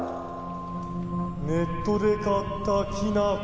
ネットで買ったきな粉。